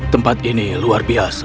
tempat ini luar biasa